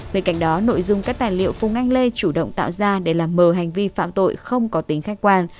bên cạnh đó nội dung các tài liệu phùng anh lê chủ động tạo ra để làm mờ hành vi phạm tội không có tính khách quan